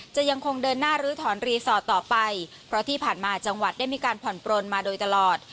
จะยังคงเดินหน้าลื้อถอนรีสอร์ทต่อไปเพราะที่ผ่านมาจังหวัดได้มีการผ่อนปลนมาโดยตลอด